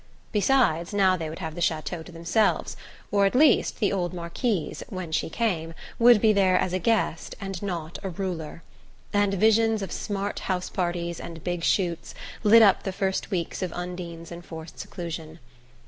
Besides, now they would have the chateau to themselves or at least the old Marquise, when she came, would be there as a guest and not a ruler and visions of smart house parties and big shoots lit up the first weeks of Undine's enforced seclusion.